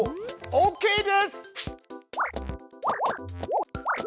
オーケーです！